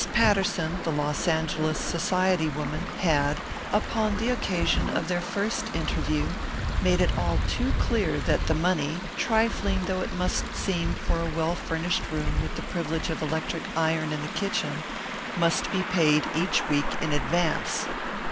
Patterson, the Los Angeles society woman, had, upon the occasion of their first interview, made it all too clear that the money, trifling though it must seem for a well furnished room with the privilege of electric iron in the kitchen, must be paid each week in advance.